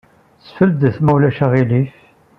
Sfeldet, ma ulac aɣilif.